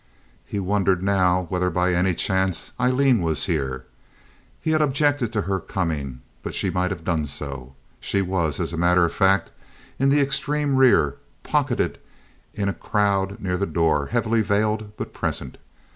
He wondered now whether by any chance Aileen was here. He had objected to her coming, but she might have done so. She was, as a matter of fact, in the extreme rear, pocketed in a crowd near the door, heavily veiled, but present.